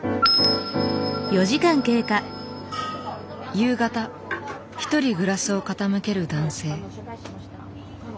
夕方１人グラスを傾ける男性。